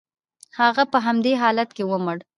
هغه په همدې حالت کې ومړ.